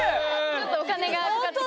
ちょっとお金がかかってきた。